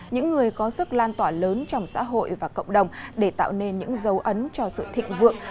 những người có sức lan tỏa lớn trong xã hội và cộng đồng để tạo nên những dấu ấn cho sự thịnh vượng